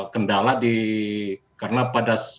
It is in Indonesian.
kendala di karena pada